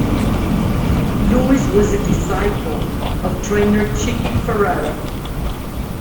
Lewis was a disciple of trainer Chickie Ferrara.